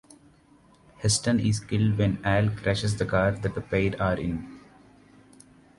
Heston is killed when Al crashes the car that the pair are in.